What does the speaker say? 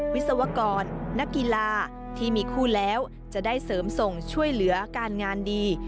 วิศวกรนักกีฬาที่มีคู่แล้วจะได้เสริมส่งช่วยเหลือการงานดี